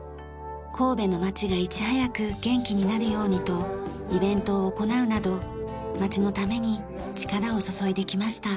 神戸の街がいち早く元気になるようにとイベントを行うなど街のために力を注いできました。